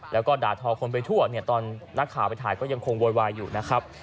แล้วก็ด่าทอคนไปทั่วเนี่ยตอนนักข่าวไปถ่ายก็ยังคงโวยวายอยู่นะครับ